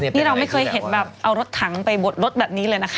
เอารถถังไปบดรถแบบนี้เลยนะคะ